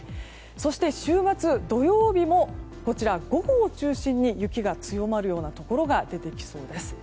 そして週末、土曜日も午後を中心に雪が強まるようなところが出てきそうです。